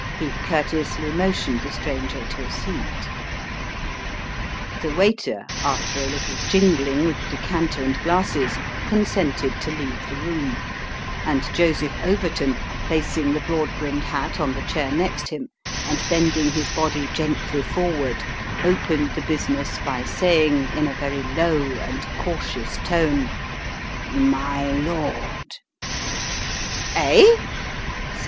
He courteously motioned the stranger to a seat. The waiter, after a little jingling with the decanter and glasses, consented to leave the room ; and Joseph Overton, placing the broad brimmed nat on the chair next him, and bending his body gently forward, opened the business by saying in a very low and cautious tone " My lord " Mr. Trott acknowledges it. 313 " Eli ?